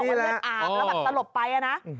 อ๋อนี่แหละนี่แหละ